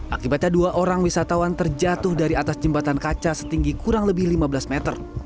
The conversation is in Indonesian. akibatnya dua orang wisatawan terjatuh dari atas jembatan kaca setinggi kurang lebih lima belas meter